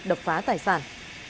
đập phá tài sản